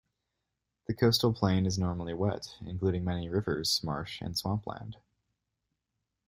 The coastal plain is normally wet, including many rivers, marsh, and swampland.